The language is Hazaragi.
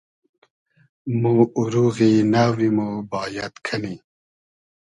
مۉ اوروغی نئوی مۉ بایئد کئنی